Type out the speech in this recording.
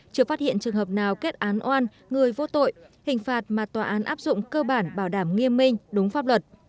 chưa phát hiện trường hợp nào kết án oan người vô tội hình phạt mà tòa án áp dụng cơ bản bảo đảm nghiêm minh đúng pháp luật